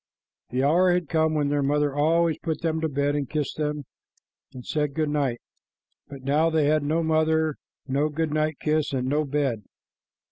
The hour had come when their mother always put them to bed and kissed them and said good night, but now they had no mother, no good night kiss, and no bed.